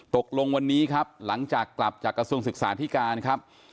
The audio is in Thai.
ตกลงวันนี้ครับหลังจากกลับจากกระทรวงศึกษาธิการครับ